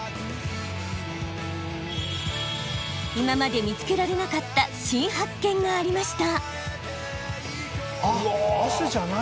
今まで見つけられなかった新発見がありました。